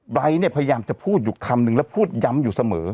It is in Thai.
ไร้เนี่ยพยายามจะพูดอยู่คำนึงแล้วพูดย้ำอยู่เสมอ